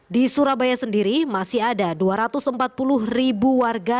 di surabaya sendiri masih ada dua ratus empat puluh ribu warga